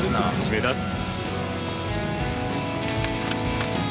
目立つ。